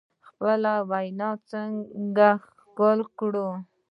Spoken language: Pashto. خپله وینا څنګه ښکلې کړو؟